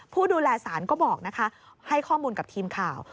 ผู้ดูแลสารก็บอกนะคะให้ข้อมูลกับทีมข่าว